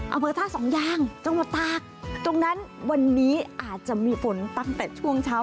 อำเภอท่าสองยางจังหวัดตากตรงนั้นวันนี้อาจจะมีฝนตั้งแต่ช่วงเช้า